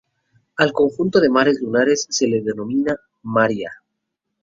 Al conjunto de mares lunares se le denomina maria.